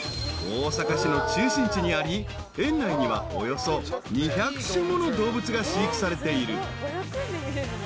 ［大阪市の中心地にあり園内にはおよそ２００種もの動物が飼育されている］